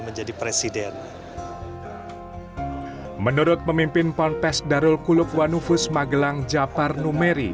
menurut pemimpin ponpes darul kulukwanufus magelang japar numeri